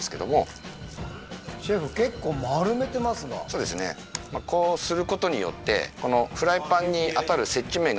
そうですねこうすることによって。